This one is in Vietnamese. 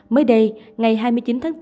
mới đây ngày hai mươi chín tháng bốn